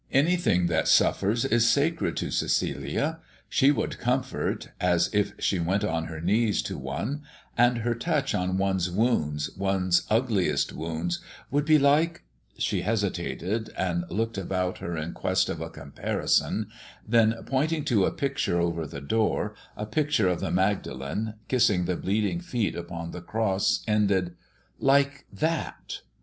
Anything that suffers is sacred to Cecilia. She would comfort, as if she went on her knees to one; and her touch on one's wounds, one's ugliest wounds, would be like," she hesitated and looked about her in quest of a comparison, then, pointing to a picture over the door, a picture of the Magdalene, kissing the bleeding feet upon the Cross, ended, "like that."